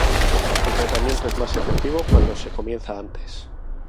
El tratamiento es más efectivo cuando se comienza antes.